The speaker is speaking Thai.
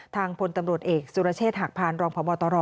พลตำรวจเอกสุรเชษฐหักพานรองพบตร